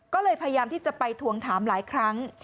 ก็เลยพยายามที่จะไปทวงถามหลายครั้ง